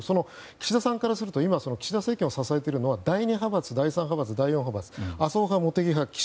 岸田さんからすると今、岸田政権を支えているのは第２派閥、第３派閥第４派閥ですよね。